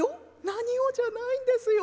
「『何を？』じゃないんですよ。